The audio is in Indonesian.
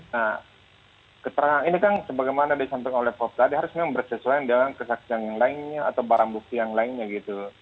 nah keterangan ini kan sebagaimana disampaikan oleh prof tadi harus memang bersesuaian dengan kesaksian yang lainnya atau barang bukti yang lainnya gitu